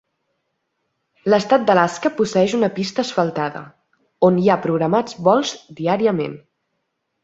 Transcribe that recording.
L'estat d'Alaska posseeix una pista asfaltada, on hi ha programats vols diàriament.